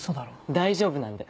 大丈夫なんで。